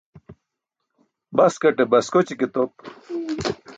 Baskate baskoći ke top.